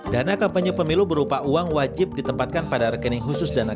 dana kampanye pemilu berupa uang wajib ditempatkan pada rekening khusus dana